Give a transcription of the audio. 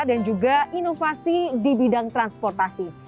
dan juga inovasi di bidang transportasi